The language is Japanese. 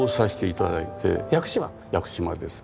屋久島です。